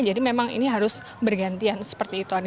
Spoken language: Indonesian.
jadi memang ini harus bergantian seperti itu